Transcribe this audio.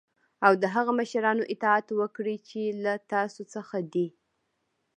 او د هغه مشرانو اطاعت وکړی چی له تاسی څخه دی .